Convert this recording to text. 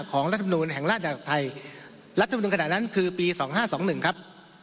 ของลักษณุนแห่งราชดรัฐไทยลักษณุนขณะนั้นคือปีศ๒๕๒๑ครับ